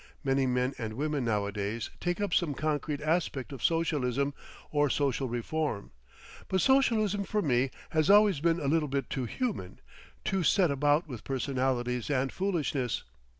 Many men and women nowadays take up some concrete aspect of Socialism or social reform. But Socialism for me has always been a little bit too human, too set about with personalities and foolishness.